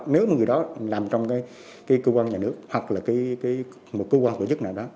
nếu người đó làm trong cơ quan nhà nước hoặc là một cơ quan của dịch này đó